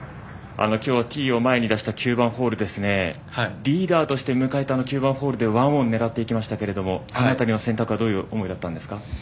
今日はティーを前に出した９番ホールですねリーダーとして迎えた９番ホールで１オンを狙っていきましたけどあの中の選択はどういう思いだったんですか？